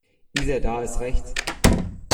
Isa, das ist rechts.